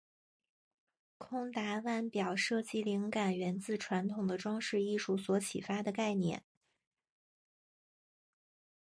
宝达腕表设计灵感源自传统的装饰艺术所启发的概念。